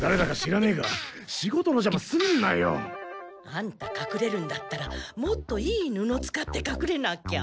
アンタかくれるんだったらもっといい布使ってかくれなきゃ。